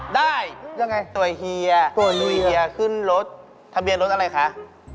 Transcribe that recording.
ได้ตัวเหี้ยตัวเหี้ยขึ้นรถทะเบียนรถอะไรคะ